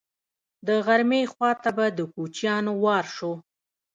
د غرمې خوا ته به د کوچیانو وار شو.